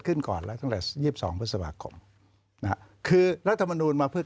ขึ้นก่อนแล้วตั้งแต่ยิบสองพศวคคดคือรัฐธรรมนูรมาเพื่อ